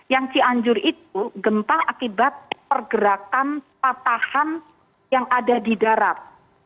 yang cianjur itu gempa akibat pergerakan patahan yang ada di darat